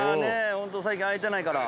ホント最近会えてないから。